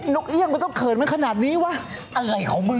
พี่เอ๋ไหนมิดัก